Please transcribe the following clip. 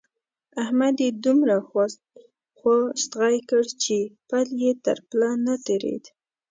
احمد يې دومره خوا ستغی کړ چې پل يې تر پله نه تېرېد.